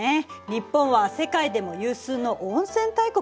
日本は世界でも有数の温泉大国だもんね。